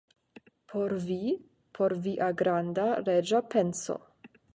Por vi; por via granda reĝa penso!